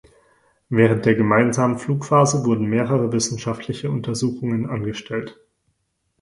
Während der gemeinsamen Flugphase wurden mehrere wissenschaftliche Untersuchungen angestellt.